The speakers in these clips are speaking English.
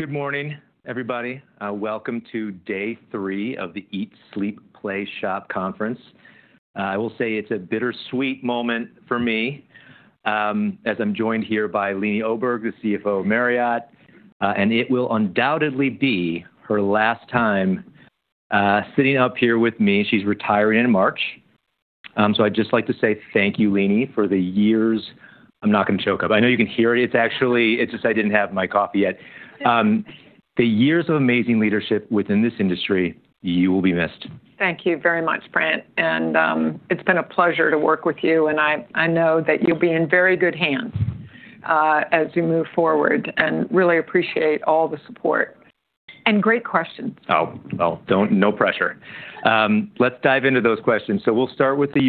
Good morning, everybody. Welcome to day three of the Eat, Sleep, Play, Shop conference. I will say it's a bittersweet moment for me, as I'm joined here by Leeny Oberg, the CFO of Marriott, and it will undoubtedly be her last time sitting up here with me. She's retiring in March. So I'd just like to say thank you, Leeny, for the years, I'm not going to choke up. I know you can hear it. It's actually, it's just I didn't have my coffee yet. The years of amazing leadership within this industry, you will be missed. Thank you very much, Brent, and it's been a pleasure to work with you, and I know that you'll be in very good hands as we move forward, and really appreciate all the support, and great questions. Oh, well, no pressure. Let's dive into those questions. So we'll start with the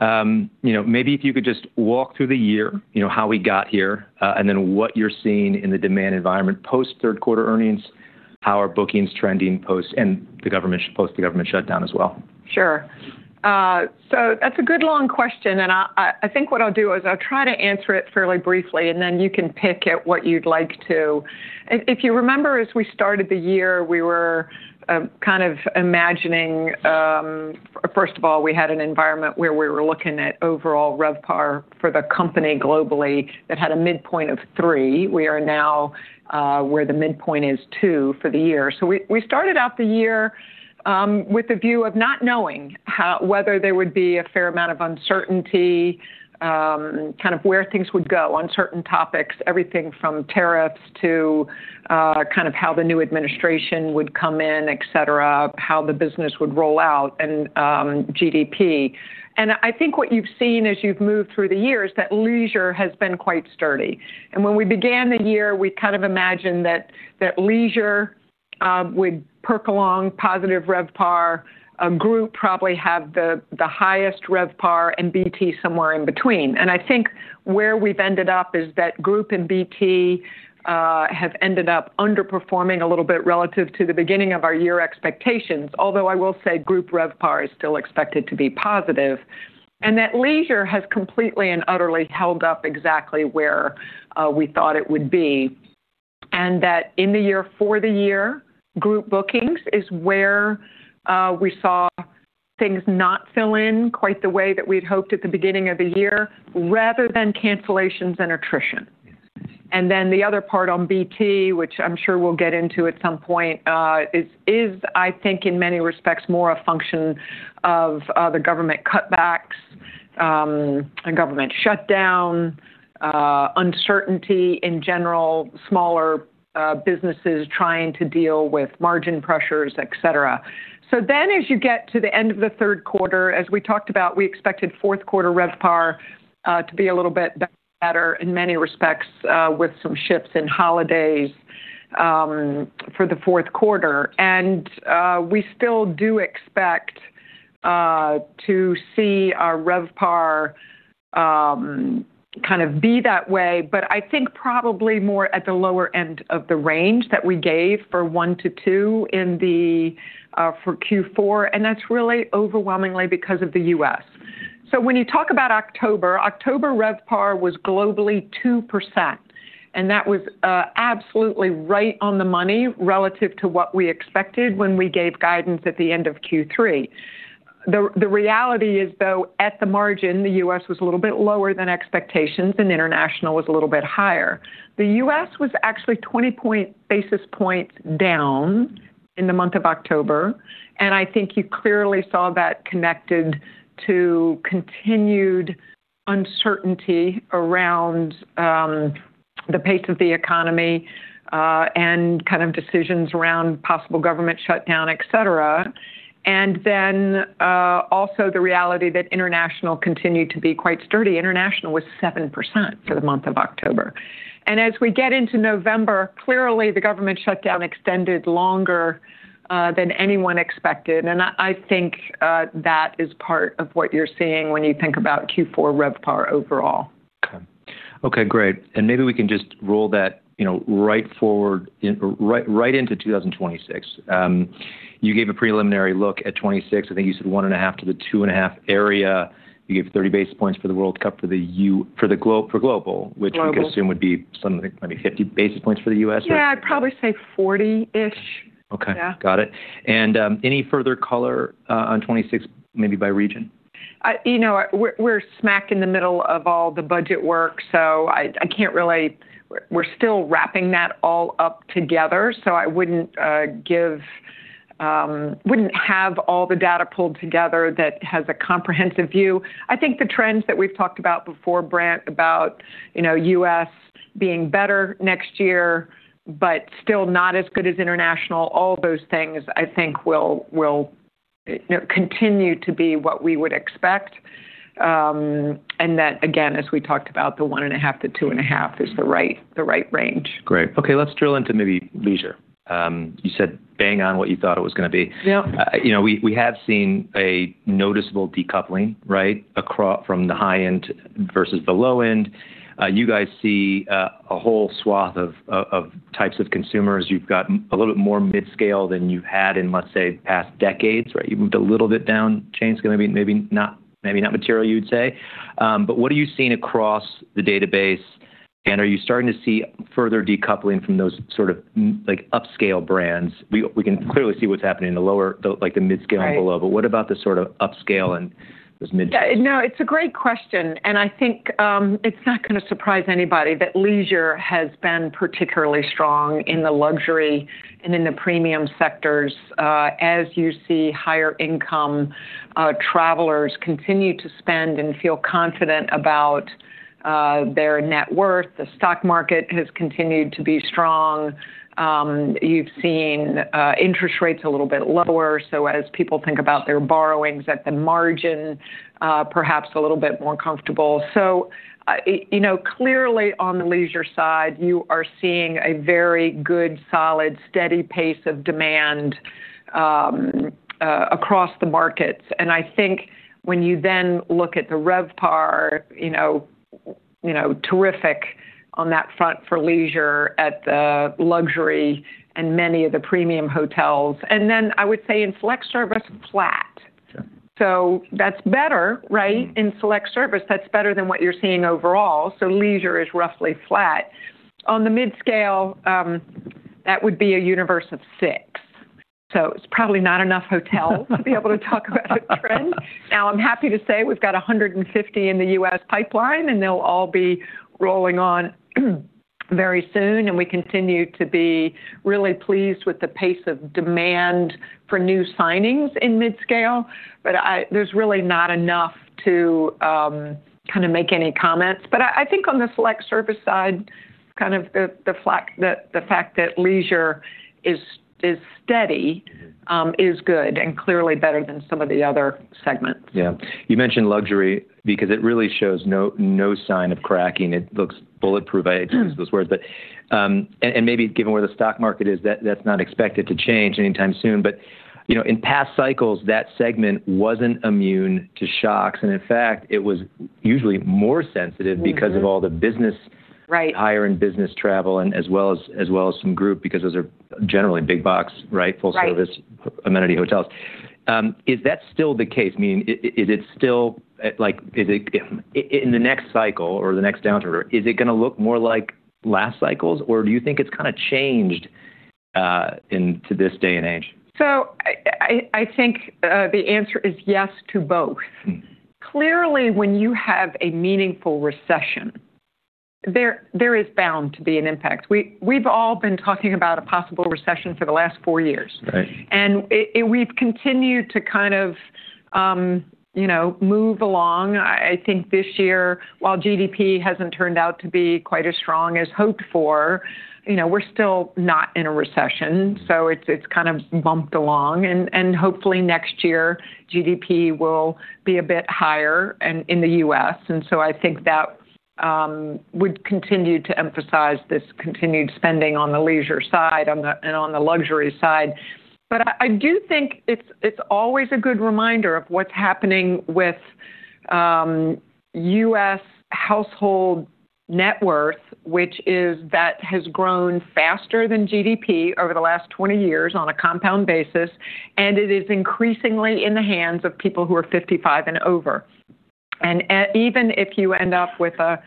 U.S. Maybe if you could just walk through the year, how we got here, and then what you're seeing in the demand environment post-third quarter earnings. How are bookings trending post- and the government shutdown as well. Sure. So that's a good long question, and I think what I'll do is I'll try to answer it fairly briefly, and then you can pick at what you'd like to. If you remember, as we started the year, we were kind of imagining, first of all, we had an environment where we were looking at overall RevPAR for the company globally that had a midpoint of 3%. We are now where the midpoint is 2% for the year. So we started out the year with a view of not knowing whether there would be a fair amount of uncertainty, kind of where things would go, uncertain topics, everything from tariffs to kind of how the new administration would come in, et cetera, how the business would roll out, and GDP. And I think what you've seen as you've moved through the year is that leisure has been quite sturdy. When we began the year, we kind of imagined that leisure would prolong positive RevPAR, and group probably have the highest RevPAR, and BT somewhere in between. I think where we've ended up is that group and BT have ended up underperforming a little bit relative to the beginning of our year expectations, although I will say group RevPAR is still expected to be positive. That leisure has completely and utterly held up exactly where we thought it would be, and that for the year, group bookings is where we saw things not fill in quite the way that we'd hoped at the beginning of the year, rather than cancellations and attrition. Then the other part on BT, which I'm sure we'll get into at some point, is, I think, in many respects, more a function of the government cutbacks, a government shutdown, uncertainty in general, smaller businesses trying to deal with margin pressures, et cetera. So then, as you get to the end of the third quarter, as we talked about, we expected fourth quarter RevPAR to be a little bit better in many respects, with some shifts in holidays for the fourth quarter. And we still do expect to see our RevPAR kind of be that way, but I think probably more at the lower end of the range that we gave for one to two for Q4, and that's really overwhelmingly because of the U.S. So when you talk about October, October RevPAR was globally 2%, and that was absolutely right on the money relative to what we expected when we gave guidance at the end of Q3. The reality is, though, at the margin, the U.S. was a little bit lower than expectations, and international was a little bit higher. The U.S. was actually 20 basis points down in the month of October, and I think you clearly saw that connected to continued uncertainty around the pace of the economy and kind of decisions around possible government shutdown, et cetera, and then also the reality that international continued to be quite sturdy. International was 7% for the month of October, and as we get into November, clearly, the government shutdown extended longer than anyone expected, and I think that is part of what you're seeing when you think about Q4 RevPAR overall. Okay, great. And maybe we can just roll that right forward, right into 2026. You gave a preliminary look at 2026. I think you said one and a half to the two and a half area. You gave 30 basis points for the World Cup for the global, which we assume would be something like 50 basis points for the U.S., right? Yeah, I'd probably say 40-ish. Okay. Got it. And any further color on 2026, maybe by region? You know, we're smack in the middle of all the budget work, so I can't really, we're still wrapping that all up together, so I wouldn't have all the data pulled together that has a comprehensive view. I think the trends that we've talked about before, Brent, about U.S. being better next year, but still not as good as international, all those things, I think, will continue to be what we would expect. And that, again, as we talked about, the 1.5%-2.5% is the right range. Great. Okay, let's drill into maybe leisure. You said bang on what you thought it was going to be. We have seen a noticeable decoupling, right, from the high end versus the low end. You guys see a whole swath of types of consumers. You've got a little bit more mid-scale than you've had in, let's say, past decades, right? You moved a little bit down chain scale, maybe not material, you'd say. But what are you seeing across the database, and are you starting to see further decoupling from those sort of upscale brands? We can clearly see what's happening in the lower, like the mid-scale and below, but what about the sort of upscale and those mid-scale? No, it's a great question, and I think it's not going to surprise anybody that leisure has been particularly strong in the luxury and in the premium sectors, as you see higher income travelers continue to spend and feel confident about their net worth. The stock market has continued to be strong. You've seen interest rates a little bit lower, so as people think about their borrowings at the margin, perhaps a little bit more comfortable. So clearly, on the leisure side, you are seeing a very good, solid, steady pace of demand across the markets. And I think when you then look at the RevPAR, terrific on that front for leisure at the luxury and many of the premium hotels. And then I would say in select-service, flat. So that's better, right? In select-service, that's better than what you're seeing overall, so leisure is roughly flat. On the mid-scale, that would be a universe of six. So it's probably not enough hotels to be able to talk about a trend. Now, I'm happy to say we've got 150 in the U.S. pipeline, and they'll all be rolling on very soon, and we continue to be really pleased with the pace of demand for new signings in mid-scale, but there's really not enough to kind of make any comments, but I think on the select service side, kind of the fact that leisure is steady is good and clearly better than some of the other segments. Yeah. You mentioned luxury because it really shows no sign of cracking. It looks bulletproof. I hate to use those words, but, and maybe given where the stock market is, that's not expected to change anytime soon. But in past cycles, that segment wasn't immune to shocks, and in fact, it was usually more sensitive because of all the business, higher-end business travel, as well as some group, because those are generally big box, right, full-service amenity hotels. Is that still the case? I mean, is it still, in the next cycle or the next downturn, is it going to look more like last cycles, or do you think it's kind of changed to this day and age? So I think the answer is yes to both. Clearly, when you have a meaningful recession, there is bound to be an impact. We've all been talking about a possible recession for the last four years, and we've continued to kind of move along. I think this year, while GDP hasn't turned out to be quite as strong as hoped for, we're still not in a recession, so it's kind of bumped along, and hopefully, next year, GDP will be a bit higher in the U.S., and so I think that would continue to emphasize this continued spending on the leisure side and on the luxury side. But I do think it's always a good reminder of what's happening with U.S. Household net worth, which has grown faster than GDP over the last 20 years on a compound basis, and it is increasingly in the hands of people who are 55 and over. And even if you end up with a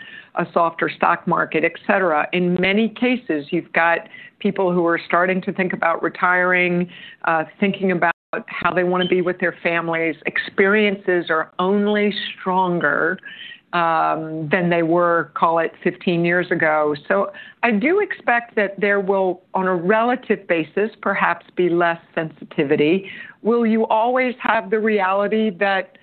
softer stock market, et cetera, in many cases, you've got people who are starting to think about retiring, thinking about how they want to be with their families. Experiences are only stronger than they were, call it, 15 years ago. So I do expect that there will, on a relative basis, perhaps be less sensitivity. Will you always have the reality that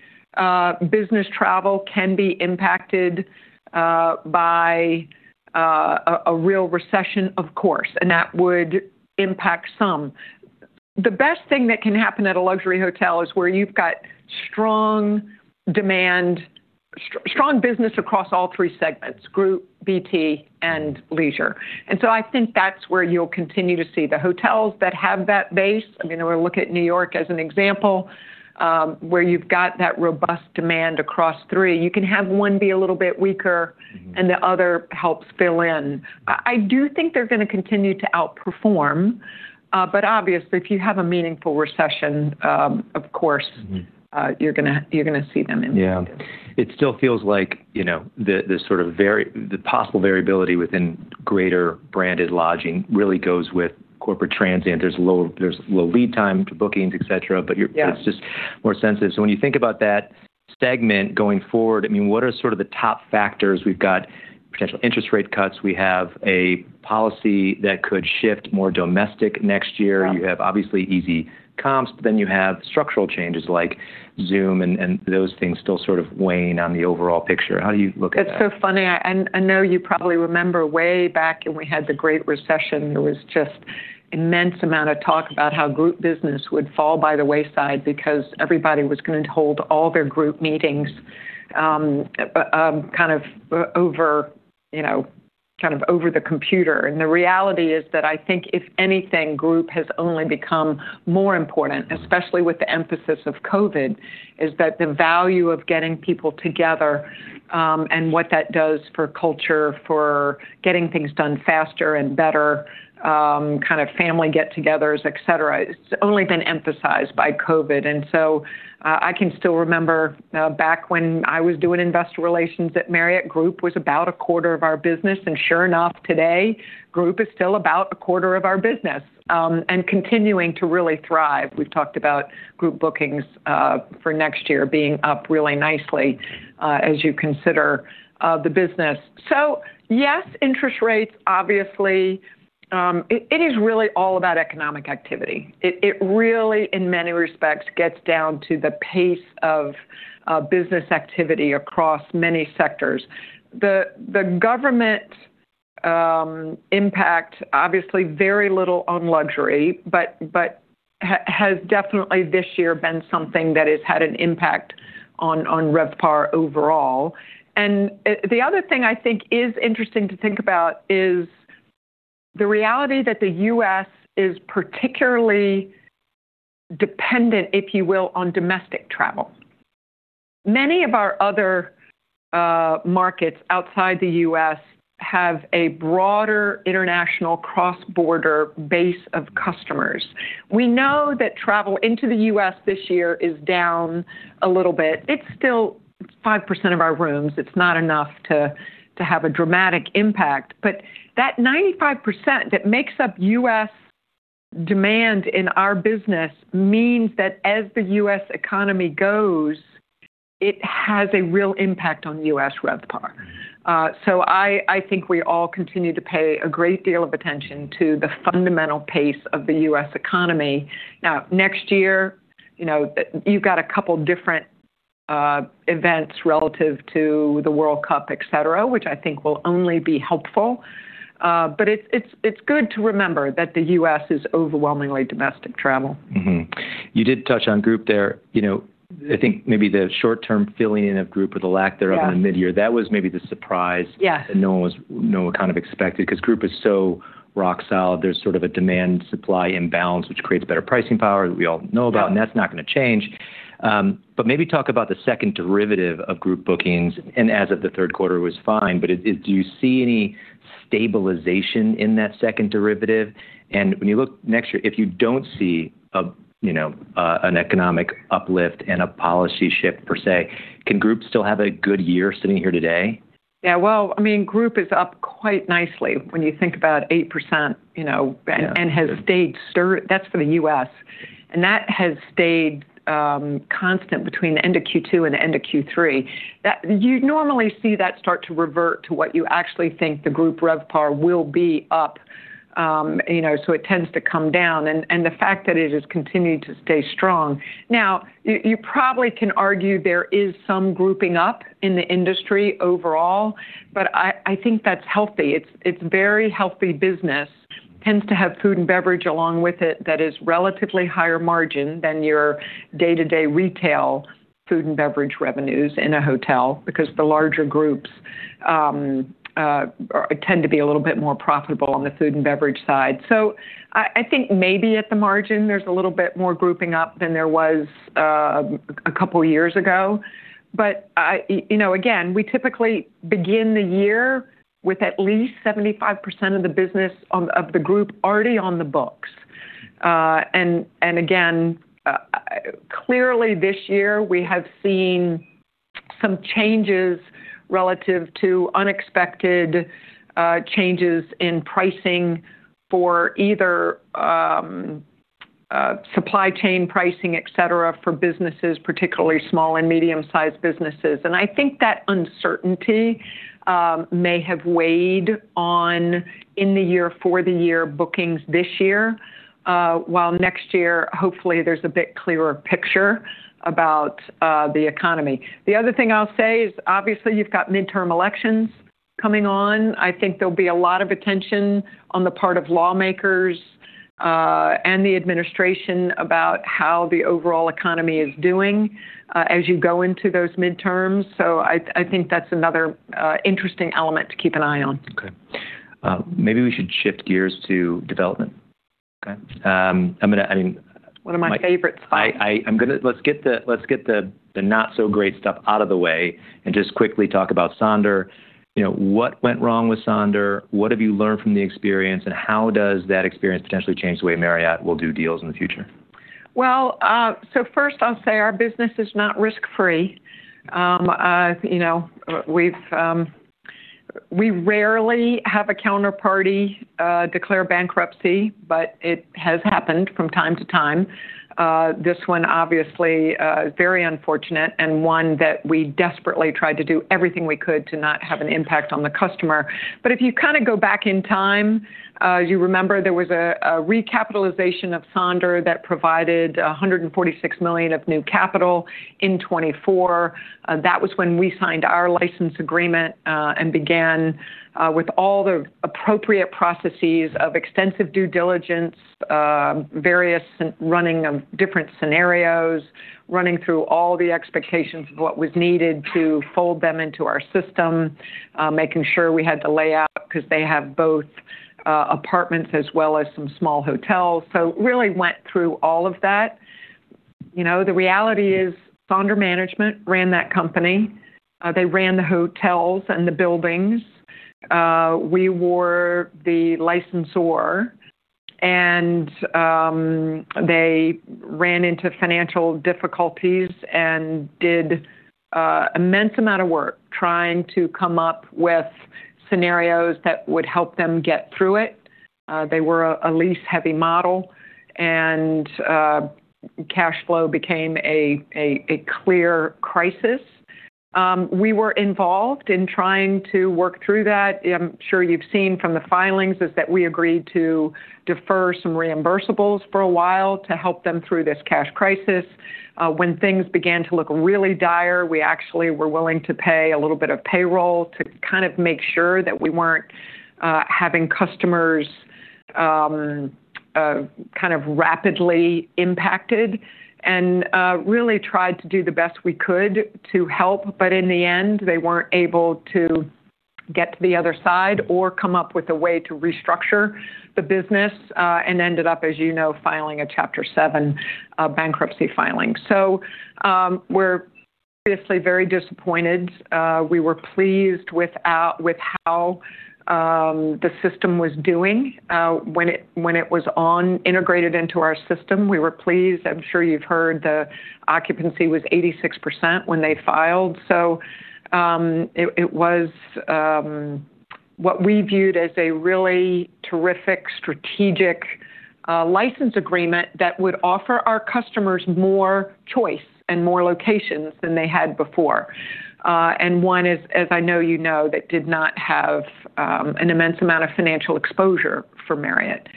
business travel can be impacted by a real recession? Of course, and that would impact some. The best thing that can happen at a luxury hotel is where you've got strong demand, strong business across all three segments: group, BT, and leisure. And so I think that's where you'll continue to see the hotels that have that base. I mean, we'll look at New York as an example, where you've got that robust demand across three. You can have one be a little bit weaker, and the other helps fill in. I do think they're going to continue to outperform, but obviously, if you have a meaningful recession, of course, you're going to see them in. Yeah. It still feels like the sort of possible variability within greater branded lodging really goes with corporate transient. There's low lead time to bookings, et cetera, but it's just more sensitive. So when you think about that segment going forward, I mean, what are sort of the top factors? We've got potential interest rate cuts. We have a policy that could shift more domestic next year. You have, obviously, easy comps, but then you have structural changes like Zoom and those things still sort of weighing on the overall picture. How do you look at that? It's so funny. I know you probably remember way back when we had the Great Recession, there was just an immense amount of talk about how group business would fall by the wayside because everybody was going to hold all their group meetings kind of over the computer. And the reality is that I think, if anything, group has only become more important, especially with the emphasis of COVID, is that the value of getting people together and what that does for culture, for getting things done faster and better, kind of family get-togethers, et cetera, it's only been emphasized by COVID. And so I can still remember back when I was doing investor relations at Marriott, group was about a quarter of our business, and sure enough, today, group is still about a quarter of our business and continuing to really thrive. We've talked about group bookings for next year being up really nicely as you consider the business, so yes, interest rates, obviously, it is really all about economic activity. It really, in many respects, gets down to the pace of business activity across many sectors. The government impact, obviously, very little on luxury, but has definitely this year been something that has had an impact on RevPAR overall, and the other thing I think is interesting to think about is the reality that the U.S. is particularly dependent, if you will, on domestic travel. Many of our other markets outside the U.S. have a broader international cross-border base of customers. We know that travel into the U.S. this year is down a little bit. It's still 5% of our rooms. It's not enough to have a dramatic impact, but that 95% that makes up U.S. Demand in our business means that as the U.S. economy goes, it has a real impact on U.S. RevPAR. So I think we all continue to pay a great deal of attention to the fundamental pace of the U.S. economy. Now, next year, you've got a couple of different events relative to the World Cup, et cetera, which I think will only be helpful, but it's good to remember that the U.S. is overwhelmingly domestic travel. You did touch on group there. I think maybe the short-term filling of group or the lack thereof in the mid-year, that was maybe the surprise that no one kind of expected because group is so rock solid. There's sort of a demand-supply imbalance, which creates better pricing power that we all know about, and that's not going to change. But maybe talk about the second derivative of group bookings, and as of the third quarter, it was fine, but do you see any stabilization in that second derivative? And when you look next year, if you don't see an economic uplift and a policy shift per se, can group still have a good year sitting here today? Yeah. Well, I mean, group is up quite nicely when you think about 8% and has stayed strong. That's for the U.S., and that has stayed constant between the end of Q2 and the end of Q3. You normally see that start to revert to what you actually think the group RevPAR will be up, so it tends to come down, and the fact that it has continued to stay strong. Now, you probably can argue there is some grouping up in the industry overall, but I think that's healthy. It's very healthy business, tends to have food and beverage along with it that is relatively higher margin than your day-to-day retail food and beverage revenues in a hotel because the larger groups tend to be a little bit more profitable on the food and beverage side. So I think maybe at the margin, there's a little bit more grouping up than there was a couple of years ago. But again, we typically begin the year with at least 75% of the business of the group already on the books. And again, clearly, this year, we have seen some changes relative to unexpected changes in pricing for either supply chain pricing, et cetera, for businesses, particularly small and medium-sized businesses. And I think that uncertainty may have weighed on in-the-year, for-the-year bookings this year, while next year, hopefully, there's a bit clearer picture about the economy. The other thing I'll say is, obviously, you've got midterm elections coming on. I think there'll be a lot of attention on the part of lawmakers and the administration about how the overall economy is doing as you go into those midterms. I think that's another interesting element to keep an eye on. Okay. Maybe we should shift gears to development. Okay. I mean. One of my favorite spots. Let's get the not-so-great stuff out of the way and just quickly talk about Sonder. What went wrong with Sonder? What have you learned from the experience, and how does that experience potentially change the way Marriott will do deals in the future? Well, so first, I'll say our business is not risk-free. We rarely have a counterparty declare bankruptcy, but it has happened from time to time. This one, obviously, is very unfortunate and one that we desperately tried to do everything we could to not have an impact on the customer. But if you kind of go back in time, you remember there was a recapitalization of Sonder that provided $146 million of new capital in 2024. That was when we signed our license agreement and began with all the appropriate processes of extensive due diligence, various running of different scenarios, running through all the expectations of what was needed to fold them into our system, making sure we had the layout because they have both apartments as well as some small hotels. So really went through all of that. The reality is Sonder management ran that company. They ran the hotels and the buildings. We were the licensor, and they ran into financial difficulties and did an immense amount of work trying to come up with scenarios that would help them get through it. They were a lease-heavy model, and cash flow became a clear crisis. We were involved in trying to work through that. I'm sure you've seen from the filings that we agreed to defer some reimbursables for a while to help them through this cash crisis. When things began to look really dire, we actually were willing to pay a little bit of payroll to kind of make sure that we weren't having customers kind of rapidly impacted and really tried to do the best we could to help, but in the end, they weren't able to get to the other side or come up with a way to restructure the business and ended up, as you know, filing a Chapter 7 bankruptcy filing. So we're obviously very disappointed. We were pleased with how the system was doing when it was integrated into our system. We were pleased. I'm sure you've heard the occupancy was 86% when they filed. So it was what we viewed as a really terrific strategic license agreement that would offer our customers more choice and more locations than they had before, and one is, as I know you know, that did not have an immense amount of financial exposure for Marriott.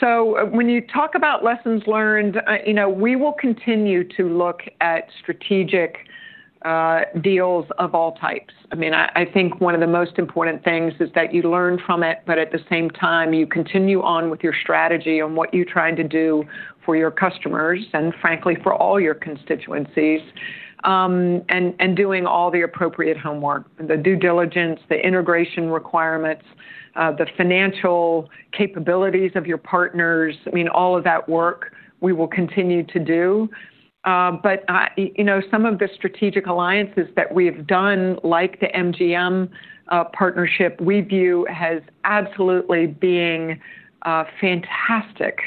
So when you talk about lessons learned, we will continue to look at strategic deals of all types. I mean, I think one of the most important things is that you learn from it, but at the same time, you continue on with your strategy on what you're trying to do for your customers and, frankly, for all your constituencies and doing all the appropriate homework, the due diligence, the integration requirements, the financial capabilities of your partners. I mean, all of that work we will continue to do. But some of the strategic alliances that we've done, like the MGM partnership, we view as absolutely being fantastic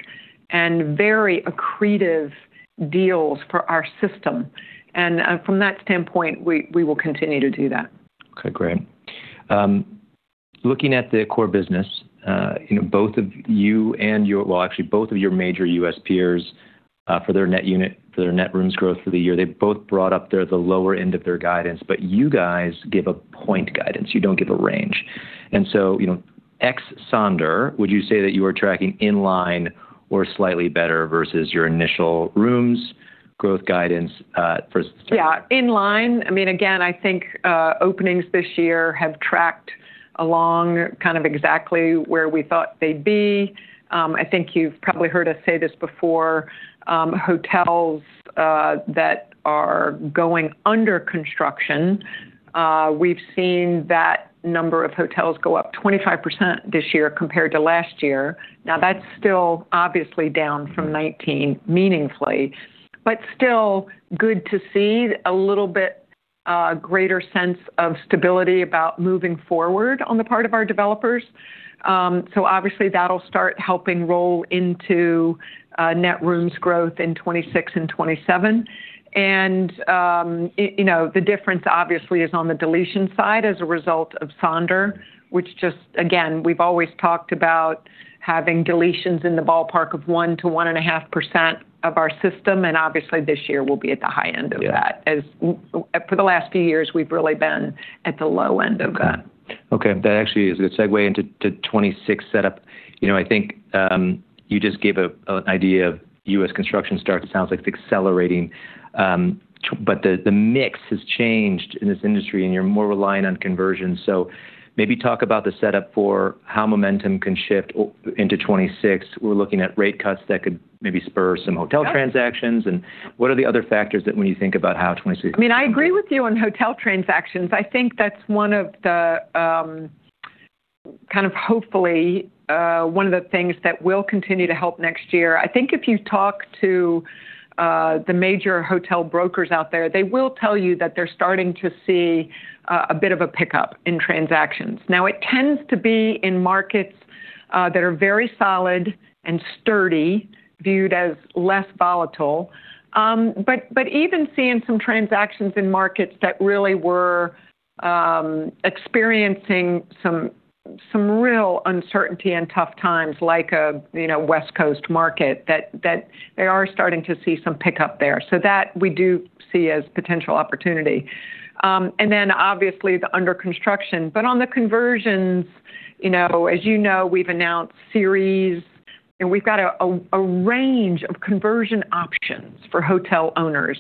and very accretive deals for our system. And from that standpoint, we will continue to do that. Okay. Great. Looking at the core business, both of you and your, well, actually, both of your major U.S. peers for their net rooms growth for the year, they both brought up to the lower end of their guidance, but you guys give a point guidance. You don't give a range. And so, excluding Sonder, would you say that you are tracking in line or slightly better versus your initial rooms growth guidance for? Yeah. In line. I mean, again, I think openings this year have tracked along kind of exactly where we thought they'd be. I think you've probably heard us say this before. Hotels that are going under construction, we've seen that number of hotels go up 25% this year compared to last year. Now, that's still obviously down from 2019 meaningfully, but still good to see a little bit greater sense of stability about moving forward on the part of our developers. So obviously, that'll start helping roll into net rooms growth in 2026 and 2027. And the difference, obviously, is on the deletion side as a result of Sonder, which just, again, we've always talked about having deletions in the ballpark of 1-1.5% of our system, and obviously, this year we'll be at the high end of that. For the last few years, we've really been at the low end of that. Okay. That actually is a good segue into 2026 setup. I think you just gave an idea of U.S. construction start. It sounds like it's accelerating, but the mix has changed in this industry, and you're more reliant on conversion. So maybe talk about the setup for how momentum can shift into 2026. We're looking at rate cuts that could maybe spur some hotel transactions, and what are the other factors that when you think about how 2026? I mean, I agree with you on hotel transactions. I think that's one of the kind of hopefully one of the things that will continue to help next year. I think if you talk to the major hotel brokers out there, they will tell you that they're starting to see a bit of a pickup in transactions. Now, it tends to be in markets that are very solid and sturdy, viewed as less volatile, but even seeing some transactions in markets that really were experiencing some real uncertainty and tough times, like a West Coast market, that they are starting to see some pickup there, so that we do see as potential opportunity, and then, obviously, the under construction, but on the conversions, as you know, we've announced series, and we've got a range of conversion options for hotel owners.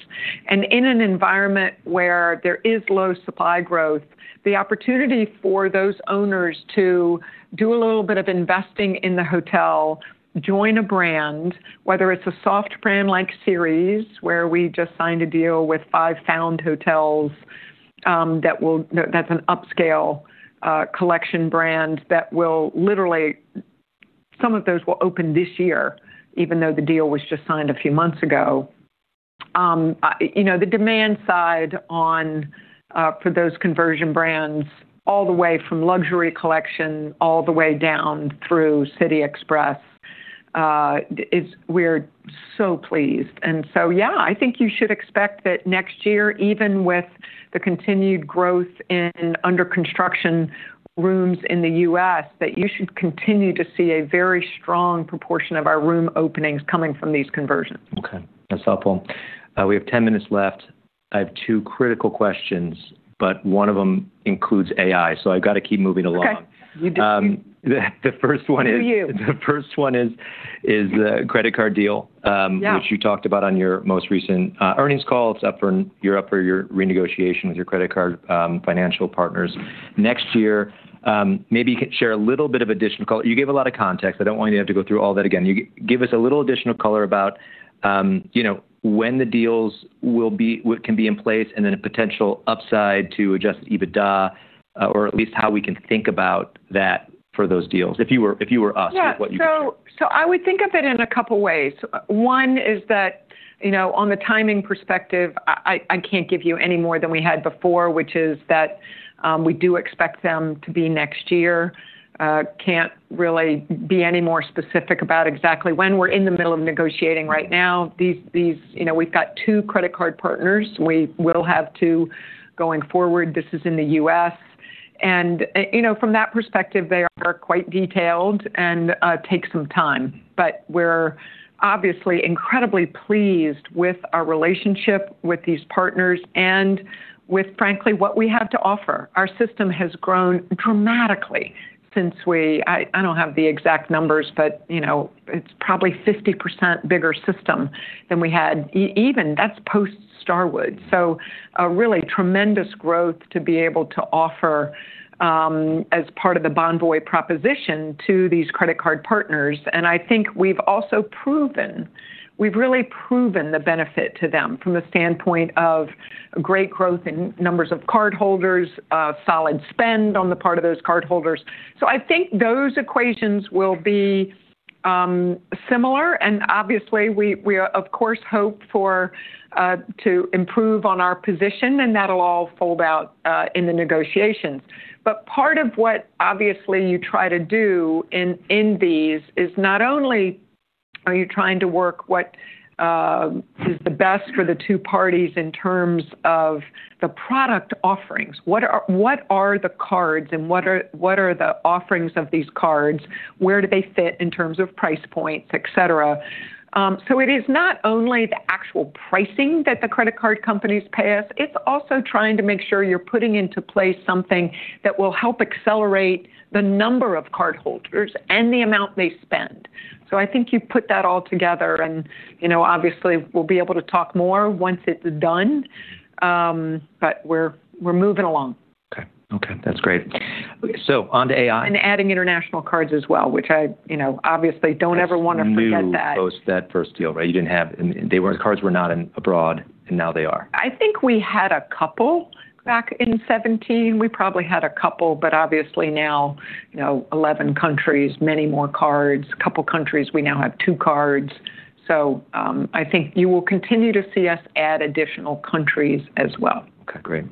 And in an environment where there is low supply growth, the opportunity for those owners to do a little bit of investing in the hotel, join a brand, whether it's a soft brand like Series, where we just signed a deal with Five Found Hotels that will, that's an upscale collection brand that will literally, some of those will open this year, even though the deal was just signed a few months ago. The demand side for those conversion brands, all the way from Luxury Collection, all the way down through City Express, we're so pleased, and so, yeah, I think you should expect that next year, even with the continued growth in under construction rooms in the U.S., that you should continue to see a very strong proportion of our room openings coming from these conversions. Okay. That's helpful. We have 10 minutes left. I have two critical questions, but one of them includes AI, so I've got to keep moving along. Okay. You do. The first one is. Who are you? The first one is the credit card deal, which you talked about on your most recent earnings call. You're up for your renegotiation with your credit card financial partners next year. Maybe you can share a little bit of additional color. You gave a lot of context. I don't want you to have to go through all that again. Give us a little additional color about when the deals will be, what can be in place, and then a potential upside to Adjusted EBITDA or at least how we can think about that for those deals. If you were us, what you think? Yeah. So I would think of it in a couple of ways. One is that on the timing perspective, I can't give you any more than we had before, which is that we do expect them to be next year. Can't really be any more specific about exactly when we're in the middle of negotiating right now. We've got two credit card partners. We will have two going forward. This is in the U.S. And from that perspective, they are quite detailed and take some time. But we're obviously incredibly pleased with our relationship with these partners and with, frankly, what we have to offer. Our system has grown dramatically since we—I don't have the exact numbers, but it's probably a 50% bigger system than we had even. That's post-Starwood. So really tremendous growth to be able to offer as part of the Bonvoy proposition to these credit card partners. I think we've also proven. We've really proven the benefit to them from the standpoint of great growth in numbers of cardholders, solid spend on the part of those cardholders. I think those economics will be similar. Obviously, we, of course, hope to improve on our position, and that'll all play out in the negotiations. Part of what obviously you try to do in these is not only are you trying to work out what is the best for the two parties in terms of the product offerings. What are the cards, and what are the offerings of these cards? Where do they fit in terms of price points, etc.? It is not only the actual pricing that the credit card companies pay us. It's also trying to make sure you're putting into place something that will help accelerate the number of cardholders and the amount they spend. So I think you put that all together, and obviously, we'll be able to talk more once it's done, but we're moving along. Okay. Okay. That's great. So on to AI. And adding international cards as well, which I obviously don't ever want to forget that. So you didn't post that first deal, right? You didn't have, the cards were not abroad, and now they are. I think we had a couple back in 2017. We probably had a couple, but obviously now 11 countries, many more cards. A couple of countries, we now have two cards. So I think you will continue to see us add additional countries as well. Okay. Great.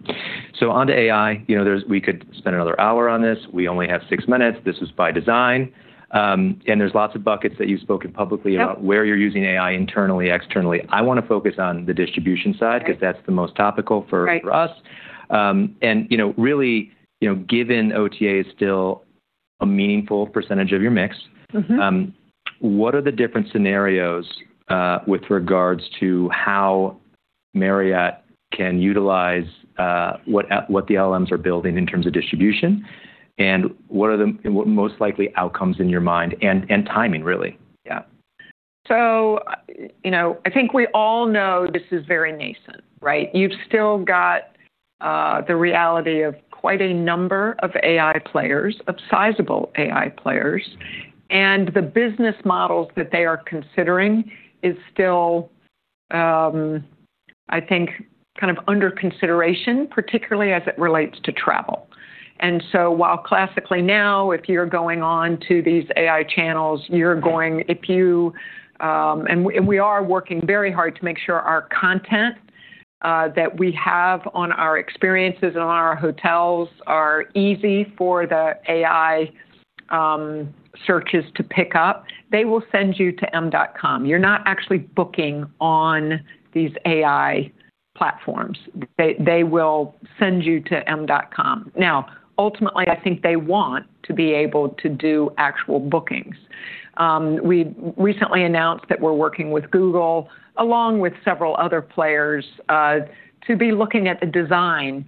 So on to AI. We could spend another hour on this. We only have six minutes. This is by design. And there's lots of buckets that you've spoken publicly about where you're using AI internally, externally. I want to focus on the distribution side because that's the most topical for us. And really, given OTA is still a meaningful percentage of your mix, what are the different scenarios with regards to how Marriott can utilize what the LLMs are building in terms of distribution? And what are the most likely outcomes in your mind and timing, really? Yeah. So I think we all know this is very nascent, right? You've still got the reality of quite a number of AI players, of sizable AI players. And the business models that they are considering is still, I think, kind of under consideration, particularly as it relates to travel. And so while classically now, if you're going on to these AI channels, you're going, and we are working very hard to make sure our content that we have on our experiences and on our hotels are easy for the AI searches to pick up, they will send you to m.com. You're not actually booking on these AI platforms. They will send you to m.com. Now, ultimately, I think they want to be able to do actual bookings. We recently announced that we're working with Google, along with several other players, to be looking at the design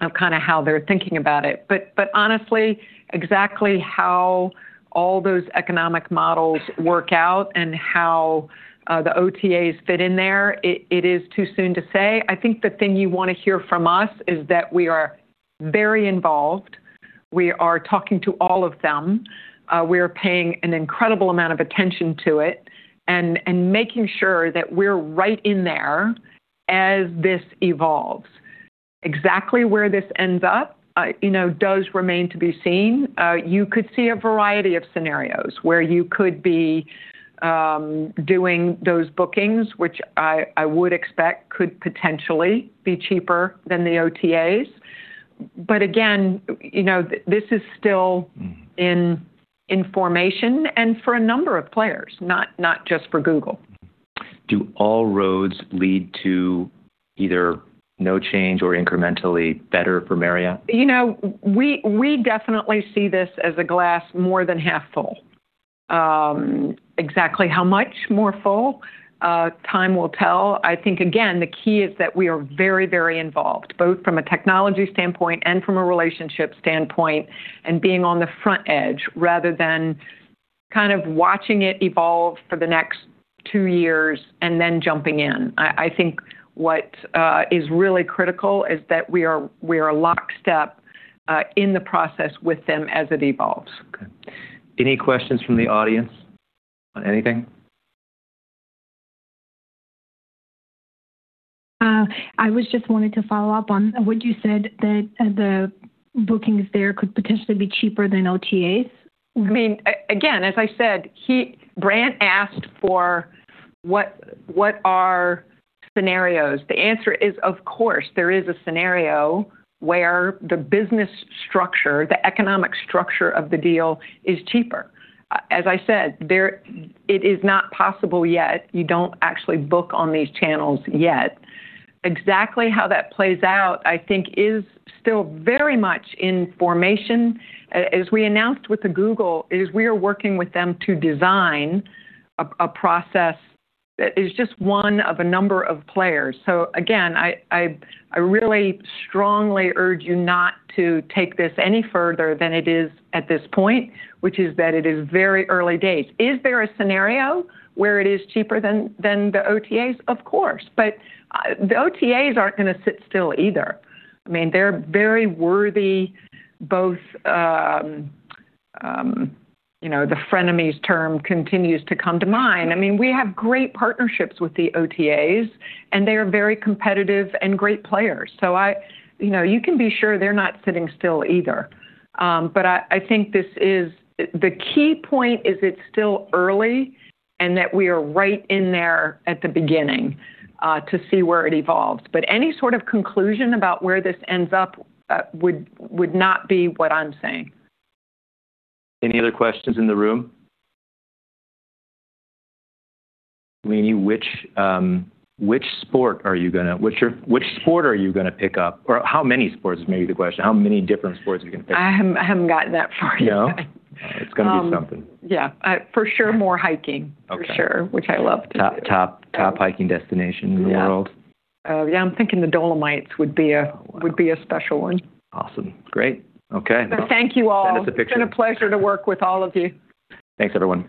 of kind of how they're thinking about it. But honestly, exactly how all those economic models work out and how the OTAs fit in there, it is too soon to say. I think the thing you want to hear from us is that we are very involved. We are talking to all of them. We are paying an incredible amount of attention to it and making sure that we're right in there as this evolves. Exactly where this ends up does remain to be seen. You could see a variety of scenarios where you could be doing those bookings, which I would expect could potentially be cheaper than the OTAs. But again, this is still in formation and for a number of players, not just for Google. Do all roads lead to either no change or incrementally better for Marriott? We definitely see this as a glass more than half full. Exactly how much more full? Time will tell. I think, again, the key is that we are very, very involved, both from a technology standpoint and from a relationship standpoint, and being on the front edge rather than kind of watching it evolve for the next two years and then jumping in. I think what is really critical is that we are in lockstep in the process with them as it evolves. Okay. Any questions from the audience on anything? I was just wanting to follow up on what you said, that the bookings there could potentially be cheaper than OTAs. I mean, again, as I said, Brent asked for what are scenarios. The answer is, of course, there is a scenario where the business structure, the economic structure of the deal is cheaper. As I said, it is not possible yet. You don't actually book on these channels yet. Exactly how that plays out, I think, is still very much in formation. As we announced with Google, we are working with them to design a process. It's just one of a number of players, so again, I really strongly urge you not to take this any further than it is at this point, which is that it is very early days. Is there a scenario where it is cheaper than the OTAs? Of course, but the OTAs aren't going to sit still either. I mean, they're very worthy. Both the frenemies term continues to come to mind. I mean, we have great partnerships with the OTAs, and they are very competitive and great players. So you can be sure they're not sitting still either. But I think this is the key point is it's still early and that we are right in there at the beginning to see where it evolves. But any sort of conclusion about where this ends up would not be what I'm saying. Any other questions in the room? Leeny, which sport are you going to—which sport are you going to pick up? Or how many sports is maybe the question? How many different sports are you going to pick up? I haven't gotten that far. No? It's going to be something. Yeah. For sure, more hiking. For sure, which I love to do. Top hiking destination in the world. Yeah. Yeah. I'm thinking the Dolomites would be a special one. Awesome. Great. Okay. Thank you all. Send us a picture. It's been a pleasure to work with all of you. Thanks, everyone.